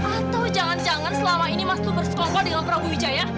atau jangan jangan selama ini mas tuh bersekongkol dengan prabu wijaya